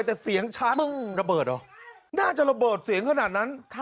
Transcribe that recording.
แต่เสียงชัดน่าจะระเบิดเสียงขนาดนั้น